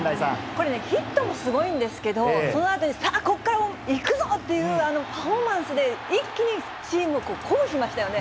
これね、ヒットもすごいんですけど、そのあとに、さあここからいくぞっていう、あのパフォーマンスで、一気にチームを鼓舞しましたよね。